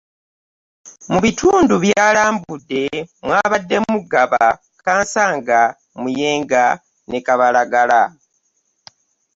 Mu bitundu by'alambudde mwabaddemu; Ggaba, Kansanga, Muyenga ne Kaabalagala